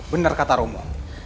benar kata ramu